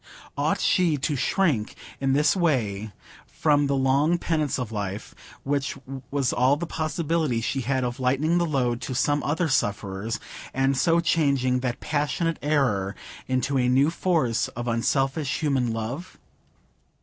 Ought she to shrink in this way from the long penance of life, which was all the possibility she had of lightening the load to some other sufferers, and so changing that passionate error into a new force of unselfish human love?